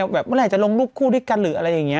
เมื่อไหร่จะลงรูปคู่ด้วยกันหรืออะไรอย่างนี้